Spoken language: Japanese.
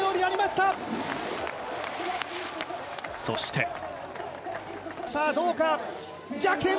そして。